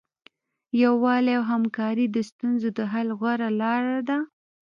یووالی او همکاري د ستونزو د حل غوره لاره ده.